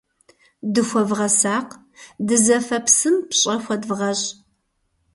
Дыхуэвгъэсакъ, дызэфэ псым пщӀэ хуэдывгъэщӀ.